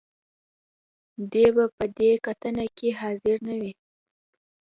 دې به په دې کتنه کې حاضر نه وي.